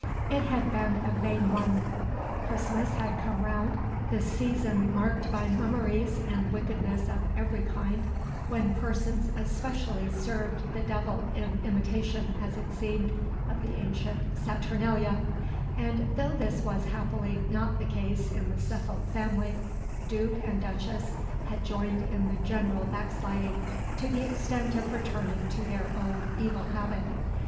It had been a vain one. Christmas had come round the season marked by mummeries and wickedness of every kind, when persons especially served the devil in imitation, as it seemed, of the ancient Saturnalia; and though this was happily not the case in the Suffolk family, Duke and Duchess had joined in the general backsliding to the extent of returning to their old evil habit.